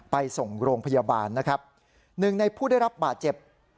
ไปส่งโรงพยาบาลนะครับหนึ่งในผู้ได้รับบาดเจ็บ